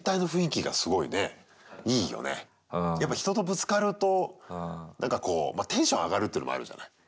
やっぱ人とぶつかるとなんかこうテンション上がるっていうのもあるじゃない。